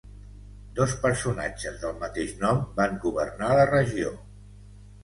Dos personatges del mateix nom van governar la regió.